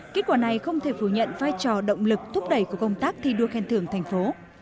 kết quả này không thể phủ nhận vai trò động lực thúc đẩy của công tác thi đua khen thưởng thành phố